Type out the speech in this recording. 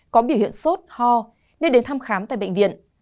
có biểu hiện sốt ho nên đến thăm khám tại bệnh viện